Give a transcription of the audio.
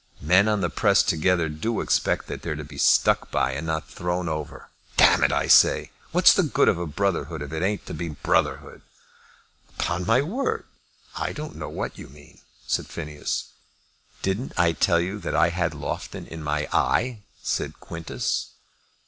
Men on the press together do expect that they're to be stuck by, and not thrown over. Damn it, I say; what's the good of a brotherhood if it ain't to be brotherhood?" "Upon my word, I don't know what you mean," said Phineas. "Didn't I tell you that I had Loughton in my heye?" said Quintus.